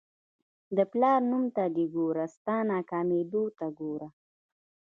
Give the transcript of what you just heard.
د پلار نوم ته دې ګوره ستا ناکامېدو ته ګوره.